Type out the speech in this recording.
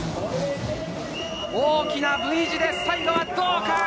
大きなＶ字で最後はどうか？